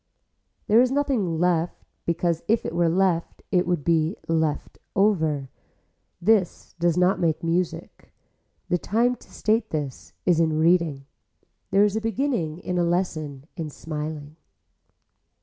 There is nothing left because if it were left it would be left over. This does not make music. The time to state that is in reading. There is a beginning in a lesson in smiling.